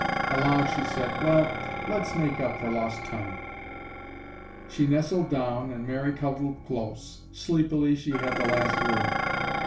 Aloud she said, "Well, let's make up for lost time." She nestled down and Mary cuddled close. Sleepily she had the last word.